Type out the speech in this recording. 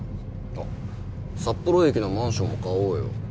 あっ札幌駅のマンションも買おうよ。